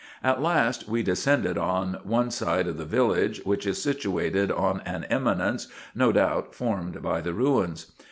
At last, we descended on one side of the village, which is situated on an eminence, no doubt formed by the ruins.